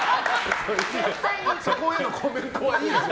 そこへのコメントはいいです。